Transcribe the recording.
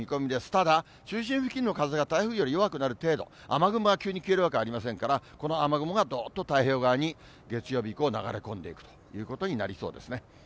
ただ、中心付近の風が台風より弱くなる程度、雨雲が急に消えるわけありませんから、この雨雲がどーっと太平洋側に月曜日以降、流れ込んでいくということになりそうですね。